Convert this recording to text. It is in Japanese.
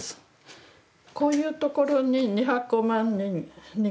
こういうところに２００万人。